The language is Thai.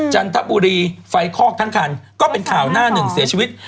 จันทบุรีไฟคอกทั้งคันก็เป็นข่าวหน้าหนึ่งเสียชีวิต